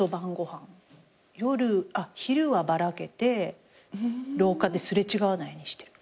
昼はばらけて廊下で擦れ違わないようにしてる。